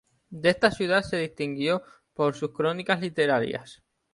En esta ciudad se distinguió por sus crónicas literarias.